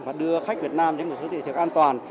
và đưa khách việt nam đến một số thị trường an toàn